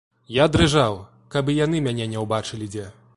Я дрыжаў, каб і яны мяне не ўбачылі дзе.